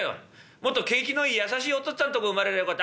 もっと景気のいい優しいお父っつぁんとこ生まれればよかった。